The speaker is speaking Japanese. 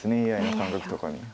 ＡＩの感覚とかに。